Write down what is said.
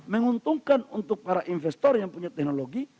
menguntungkan untuk para investor yang punya teknologi